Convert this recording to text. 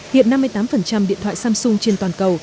hiện năm mươi tám điện thoại samsung trên toàn cầu